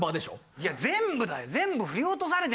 いや全部だよ。